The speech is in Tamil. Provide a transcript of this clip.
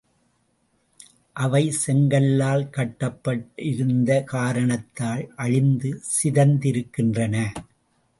அவை செங்கல்லால் கட்டப்பட்டிருந்த காரணத்தால் அழிந்து சிதைந்திருக்கின்றன.